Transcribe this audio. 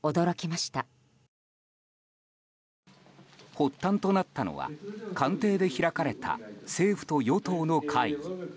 発端となったのは官邸で開かれた政府と与党の会議。